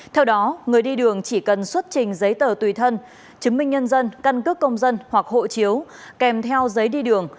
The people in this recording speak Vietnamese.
theo đó người đi đường chỉ cần xuất trình giấy tờ tùy thân chứng minh nhân dân căn cước công dân hoặc hộ chiếu kèm theo giấy đi đường